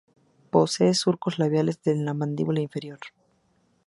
Posee surcos labiales en la mandíbula inferior.